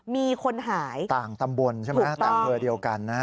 มีคนหายถูกต้องต่างตำบลใช่ไหมต่างเหลือเดียวกัน